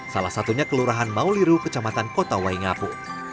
salah satunya kelurahan mauliru kecamatan kota waingapu